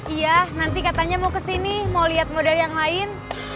iya nanti katanya mau kesini mau lihat model yang lain